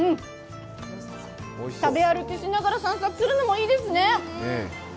食べ歩きしながら散策するのもいいですね。